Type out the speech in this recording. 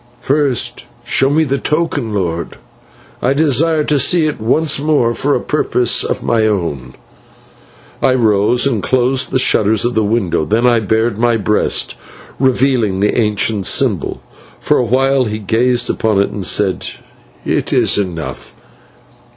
"First show me the token, lord. I desire to see it once more for a purpose of my own." I rose and closed the shutters of the window, then I bared my breast, revealing the ancient symbol. For a while he gazed upon it, and said, "It is enough.